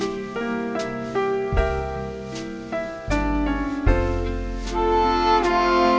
เล่นจึงก่อนกว่า